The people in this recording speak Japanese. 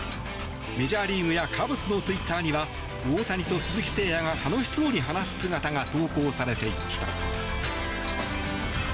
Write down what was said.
メジャーリーグやカブスのツイッターには大谷と鈴木誠也が楽しそうに話す姿が投稿されていました。